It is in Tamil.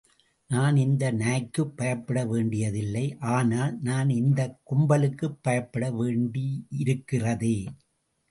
நான் இந்த நாய்க்குப் பயப்பட வேண்டியதில்லை. ஆனால், நான் இந்தக் கும்பலுக்குப் பயப்பட வேண்டியருக்கிறதே!